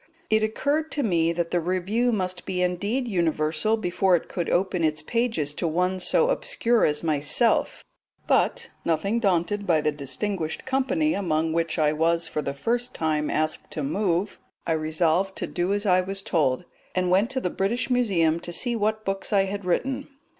It occurred to me that the Review must be indeed universal before it could open its pages to one so obscure as myself; but, nothing daunted by the distinguished company among which I was for the first time asked to move, I resolved to do as I was told, and went to the British Museum to see what books I had written.